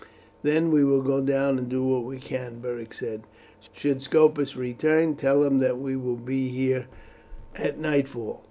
"Then we will go down and do what we can," Beric said. "Should Scopus return, tell him that we will be here at nightfall."